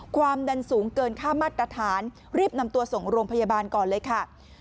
ความดันสูงเกินค่ามาตรฐานรีบนำตัวส่งโรงพยาบาลก่อนเลยค่ะ